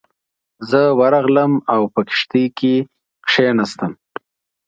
زه ورغلم او په کښتۍ کې کېناستم.